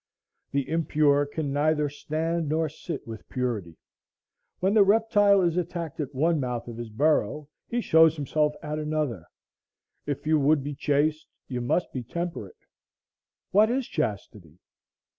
The impure can neither stand nor sit with purity. When the reptile is attacked at one mouth of his burrow, he shows himself at another. If you would be chaste, you must be temperate. What is chastity?